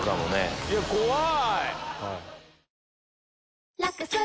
いや怖い。